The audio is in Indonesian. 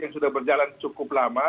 yang sudah berjalan cukup lama